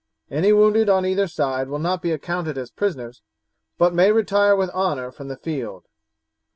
Any wounded on either side will not be accounted as prisoners, but may retire with honour from the field.